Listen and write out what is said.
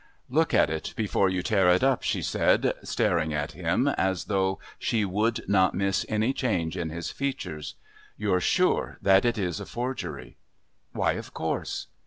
"Look at it before you tear it up," she said, staring at him as though she would not miss any change in his features. "You're sure that it is a forgery?" "Why, of course."